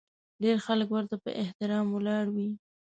ډېر خلک ورته په احترام ولاړ وي.